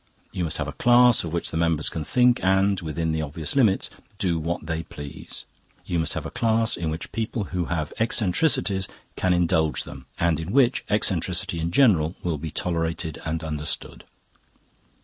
You must have a class of which the members can think and, within the obvious limits, do what they please. You must have a class in which people who have eccentricities can indulge them and in which eccentricity in general will be tolerated and understood.